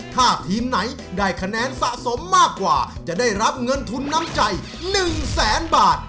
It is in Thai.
ถ้าทีมไหนได้คะแนนสะสมมากกว่าจะได้รับเงินทุนน้ำใจ๑แสนบาท